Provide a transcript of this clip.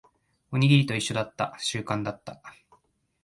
おにぎりと一緒だった。習慣だった。